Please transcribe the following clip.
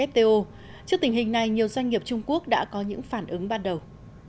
trước tình hình này nhiều doanh nghiệp trung quốc đã có những phản ứng ban đầu